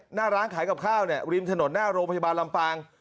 หน้าร้านขายกับข้าวเนี่ยริมถนนหน้าโรงพยาบาลลำปาง